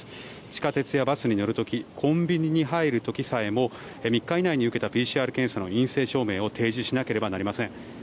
地下鉄やバスに乗る時コンビニに入る時さえも３日以内に受けたＰＣＲ検査の陰性証明書を提示しなければなりません。